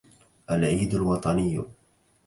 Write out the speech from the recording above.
العيد الوطني